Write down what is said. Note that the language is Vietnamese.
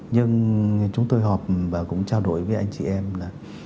nhưng chúng tôi họp và cũng trao đổi với anh chị em là